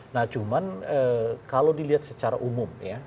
nah cuma kalau dilihat secara umum